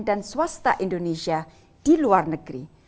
dan swasta indonesia di luar negeri